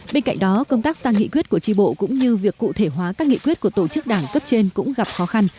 bên cạnh đó công tác sang nghị quyết của tri bộ cũng như việc cụ thể hóa các nghị quyết của tổ chức đảng cấp trên cũng gặp khó khăn